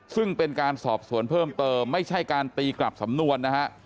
ซึ่งเป็นการสอบสวนเพิ่มเติมไม่ใช่การตีกลับสำนวนนะฮะ